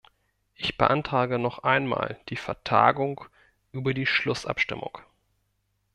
Ich beantrage noch einmal die Vertagung über die Schlussabstimmung.